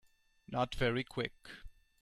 Not very Quick.